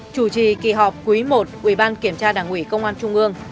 chủ trì kỳ họp quý i ủy ban kiểm tra đảng ủy công an trung ương